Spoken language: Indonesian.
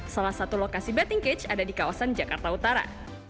salah satu lokasi betting cage ada di kawasan jakarta utara